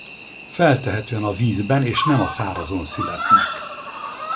Feltehetően a vízben és nem a szárazon születnek.